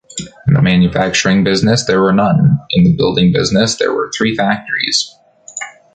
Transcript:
In the manufacturing business there were none, in the building business there were three factories.